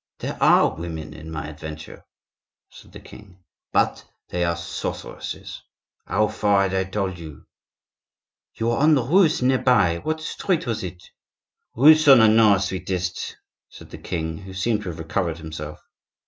"There are women in my adventure," said the king; "but they are sorceresses. How far had I told you?" "You were on the roofs near by—what street was it?" "Rue Saint Honore, sweetest," said the king, who seemed to have recovered himself.